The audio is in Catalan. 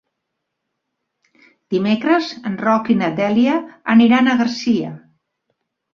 Dimecres en Roc i na Dèlia aniran a Garcia.